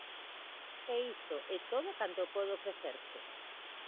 E isto é todo canto podo ofrecerche.